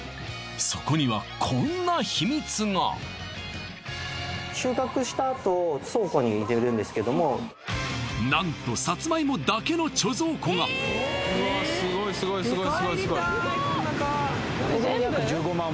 そこにはこんな秘密が何とさつまいもだけの貯蔵庫がうわすごいすごいすごいすごい！